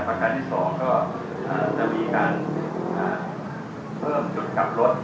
ประการที่๒ก็จะมีการเพิ่มจุดกลับรถ